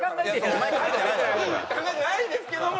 考えてないんですけども！